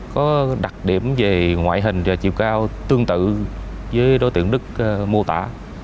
có đặc điểm về ngoại hình và chiều cao tương tự với đối tượng đức mô tả